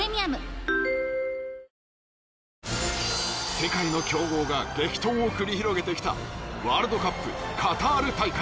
世界の強豪が激闘を繰り広げてきたワールドカップカタール大会。